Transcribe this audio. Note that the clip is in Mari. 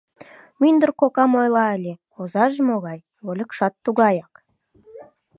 Мӱндыр кокам ойла ыле: «Озаже могай, вольыкшат тугаяк!»